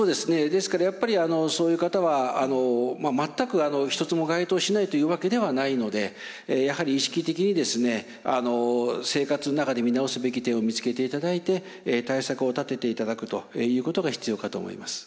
ですからやっぱりそういう方は全く１つも該当しないというわけではないのでやはり意識的に生活の中で見直すべき点を見つけていただいて対策を立てていただくということが必要かと思います。